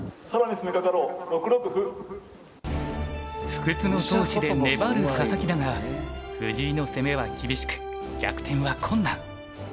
不屈の闘志で粘る佐々木だが藤井の攻めは厳しく逆転は困難。